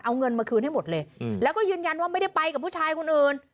เอาเงินมาคืนให้หมดเลยแล้วก็ยืนยันว่าไม่ได้ไปกับผู้ชายคนอื่น